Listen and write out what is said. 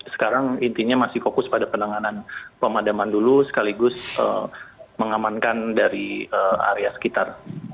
sekarang intinya masih fokus pada penanganan pemadaman dulu sekaligus mengamankan dari area sekitar